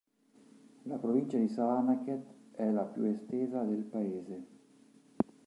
La provincia di Savannakhet è la più estesa del paese.